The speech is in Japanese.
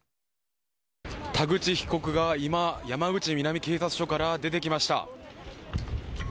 田口被告が今山口南警察署から出てきました。